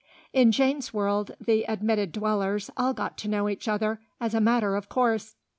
In Jane's world, the admitted dwellers all got to know each other, as a matter of course.